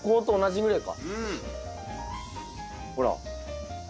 ほら。